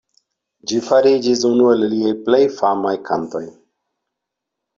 Ĝi fariĝis unu el liaj plej famaj kantoj.